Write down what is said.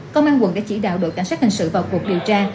công an quận đã chỉ đạo đội cảnh sát hình sự vào cuộc điều tra